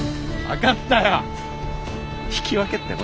分かったよ。